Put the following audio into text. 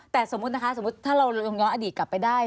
แต่สมมุตินะคะสมมุติถ้าเราลองย้อนอดีตกลับไปได้